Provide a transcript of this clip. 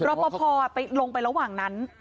รอปภไปลงไประหว่างนั้น